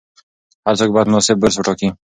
هر څوک باید مناسب برس وټاکي.